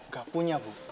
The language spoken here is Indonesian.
gak punya bu